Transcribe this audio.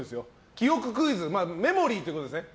記憶、メモリーということですね。